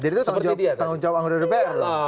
jadi itu tanggung jawab anggaran dpr loh